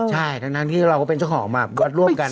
ใช่ดังนั้นที่เราก็เป็นเจ้าของมากรวบร่วมกัน